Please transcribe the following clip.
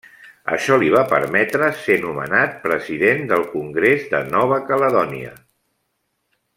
Això li va permetre ser nomenat president del Congrés de Nova Caledònia.